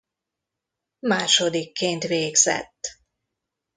Másodikként végzett.